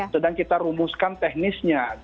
sedang kita rumuskan teknisnya